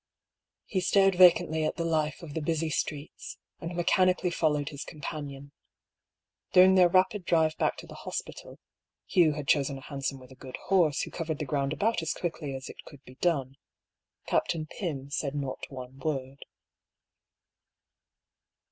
He stared vacantly at the life of the busy streets, and mechanically followed his companion. During their rapid drive back to the hos pital [Hugh had chosen a hansom with a good horse, 80 DR. PAULL'S THEORY. who covered the gronnd abont as quickly as it could be done] Captain Pym said not one word.